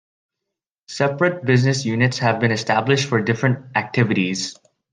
Separate business units have been established for different activities.